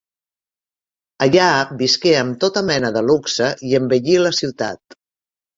Allà visqué amb tota mena de luxe i embellí la ciutat.